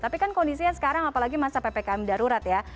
tapi kan kondisinya sekarang apalagi masa ppkm darurat ya